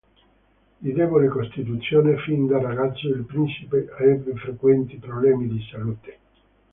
Di debole costituzione fin da ragazzo, il principe ebbe frequenti problemi di salute.